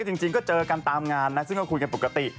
จริงก็เจอกันตามงานนะซึ่งก็คุยกันปกติ